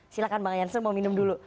silahkan bang jansen mau minum dulu